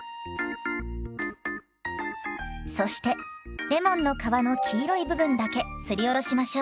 そしてレモンの皮の黄色い部分だけすりおろしましょう。